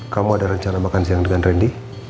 kamu ada rencana makan siang dengan randy